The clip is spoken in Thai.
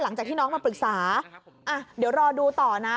หลังจากที่น้องมาปรึกษาอ่ะเดี๋ยวรอดูต่อนะ